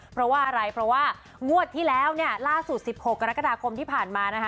เพราะว่าอะไรเพราะว่างวดที่แล้วเนี่ยล่าสุด๑๖กรกฎาคมที่ผ่านมานะคะ